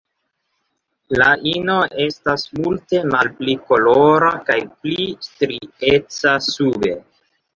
La ino estas multe malpli kolora kaj pli strieca sube.